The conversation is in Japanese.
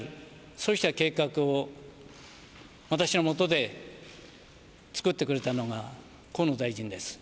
そうした計画を私の下で作ってくれたのが河野大臣です。